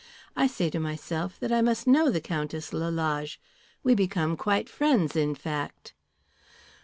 I say to myself that I must know the Countess Lalage. We become quite friends, in fact."